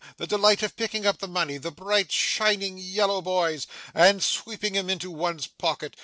The delight of picking up the money the bright, shining yellow boys and sweeping 'em into one's pocket!